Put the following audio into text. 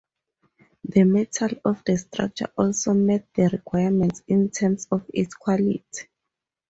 The metal of the structure also met the requirements in terms of its quality.